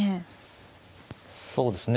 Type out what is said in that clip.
そうですね。